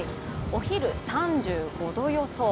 お昼、３５度予想。